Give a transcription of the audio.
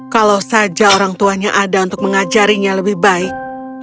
kalau saja orang tuanya ada untuk mengajarinya lebih baik